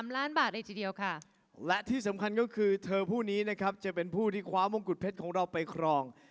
และที่สำคัญก็คือเธอผู้นี้นะครับจะเป็นผู้ที่คว้ามงกุดเพชรของเราไปครอง